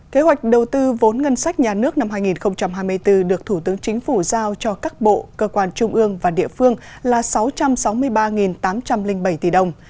kế hoạch đầu tư vốn ngân sách nhà nước năm hai nghìn hai mươi bốn được thủ tướng chính phủ giao cho các bộ cơ quan trung ương và địa phương là sáu trăm sáu mươi ba tám trăm linh bảy tỷ đồng